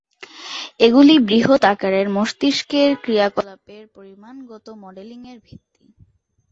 এগুলি বৃহৎ আকারের মস্তিষ্কের ক্রিয়াকলাপের পরিমাণগত মডেলিংয়ের ভিত্তি।